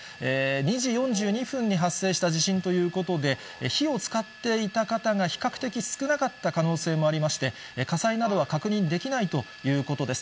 ２時４２分に発生した地震ということで、火を使っていた方が比較的少なかった可能性もありまして、火災などは確認できないということです。